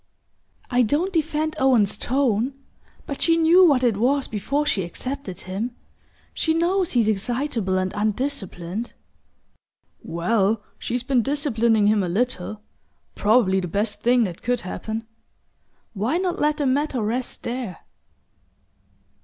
"I don't defend Owen's tone but she knew what it was before she accepted him. She knows he's excitable and undisciplined." "Well, she's been disciplining him a little probably the best thing that could happen. Why not let the matter rest there?"